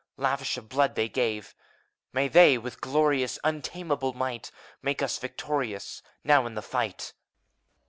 Lavish of blood they gave, — May they, with glorious Untamable might. Make us victorious. Now, in the fight!